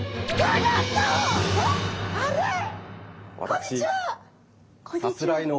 こんにちは！